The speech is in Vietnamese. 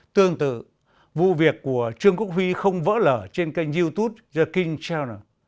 tương tự vụ việc của trương quốc huy không vỡ lở trên kênh youtube the king channel